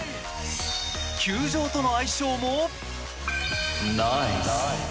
球場との相性もナイス。